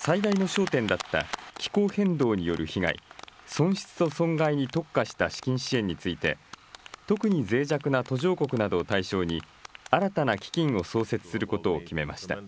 最大の焦点だった気候変動による被害、損失と損害に特化した資金支援について、特にぜい弱な途上国などを対象に、新たな基金を創設することを決めました。